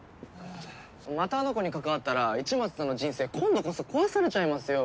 またあの子に関わったら市松さんの人生今度こそ壊されちゃいますよ。